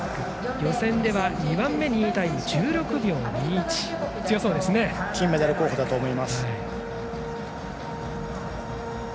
予選では２番目にいいタイム金メダル候補だと思います。